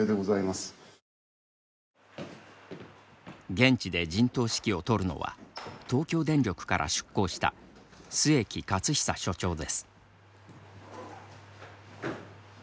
現地で陣頭指揮を執るのは東京電力から出向した末木克久所長です。